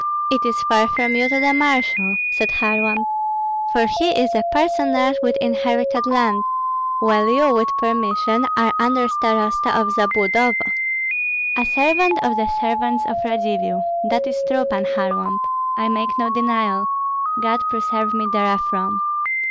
"It is far from you to the marshal," said Kharlamp; "for he is a personage with inherited land, while you with permission are under starosta of Zabludovo." "A servant of the servants of Radzivill. That is true, Pan Kharlamp, I make no denial; God preserve me therefrom.